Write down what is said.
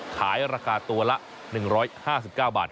ขายราคาตัวละ๑๕๙บาท